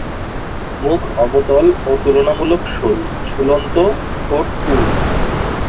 মুখ অবতল ও তুলনামূলক সরু, ঝুলন্ত, ঠোঁট পুরু।